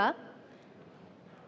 pertanyaan dimulai dari